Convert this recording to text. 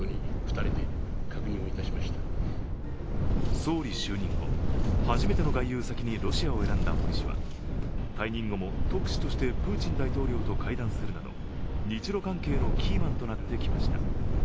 総理就任後、初めての外遊先にロシアを選んだ森氏は退任後も特使としてプーチン大統領と会談するなど日ロ関係のキーマンとなってきました。